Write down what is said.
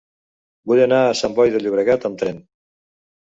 Vull anar a Sant Boi de Llobregat amb tren.